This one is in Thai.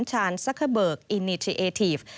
ชาญซัครเบิร์กอินิเทียทีฟ